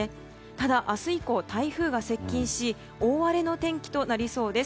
ただ、明日以降台風が接近し大荒れの天気となりそうです。